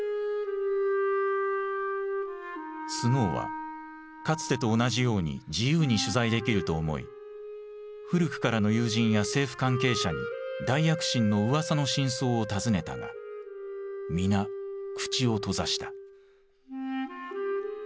スノーはかつてと同じように自由に取材できると思い古くからの友人や政府関係者に大躍進の噂の真相を尋ねたが皆口を閉ざした。